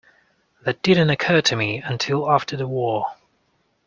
That didn't occur to me until after the war.